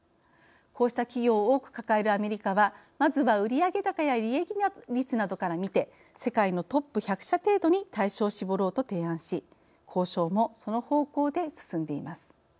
こうした企業を多く抱えるアメリカはまずは売上高や利益率などから見て世界のトップ１００社程度に対象を絞ろうと提案し交渉もその方向で進んでいます。